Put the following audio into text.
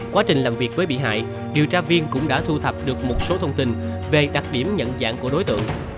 quá trình làm việc với bị hại điều tra viên cũng đã thu thập được một số thông tin về đặc điểm nhận dạng của đối tượng